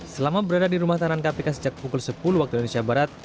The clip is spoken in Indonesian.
selama berada di rumah tahanan kpk sejak pukul sepuluh waktu indonesia barat